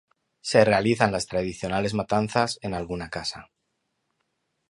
Se realizan las tradicionales matanzas en alguna casa.